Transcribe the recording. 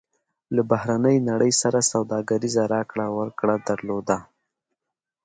له بهرنۍ نړۍ سره سوداګریزه راکړه ورکړه درلوده.